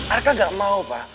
arka gak mau pak